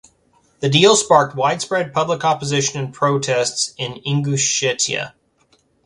The deal sparked widespread public opposition and protests in Ingushetia.